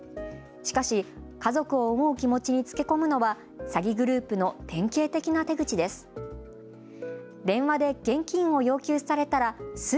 しかし家族を思う気持ちにつけ込むのは詐欺グループの典型的な手口です。